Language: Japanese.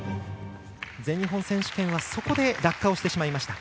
全日本選手権はそこで落下をしてしまいました。